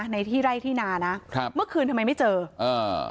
ในที่ไร่ที่นานะครับเมื่อคืนทำไมไม่เจออ่า